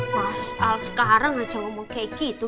masalah sekarang aja ngomong kayak gitu